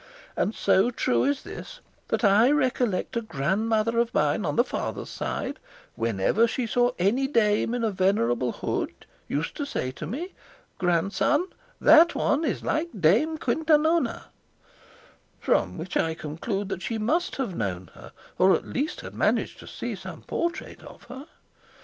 And so true is this, that I recollect a grandmother of mine on the father's side, whenever she saw any dame in a venerable hood, used to say to me, 'Grandson, that one is like Dame Quintanona,' from which I conclude that she must have known her, or at least had managed to see some portrait of her.